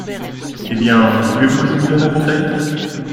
Eh bien, voulez-vous que je vous donne un conseil ?